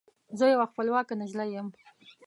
زه یوه خپلواکه نجلۍ یم